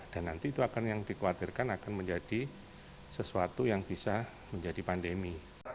dan nanti itu akan yang dikhawatirkan akan menjadi sesuatu yang bisa menjadi pandemi